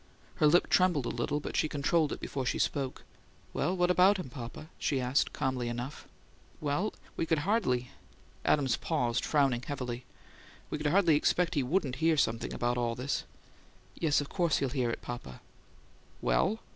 Her lip trembled a little, but she controlled it before she spoke. "Well, what about him, papa?" she asked, calmly enough. "Well, we could hardly " Adams paused, frowning heavily. "We could hardly expect he wouldn't hear something about all this." "Yes; of course he'll hear it, papa." "Well?"